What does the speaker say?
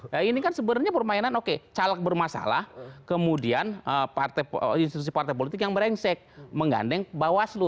nah ini kan sebenarnya permainan oke caleg bermasalah kemudian institusi partai politik yang merengsek menggandeng bawaslu